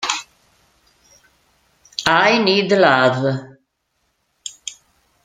I Need Love